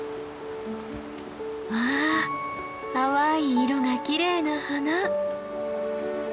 わあ淡い色がきれいな花。